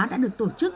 đã được tổ chức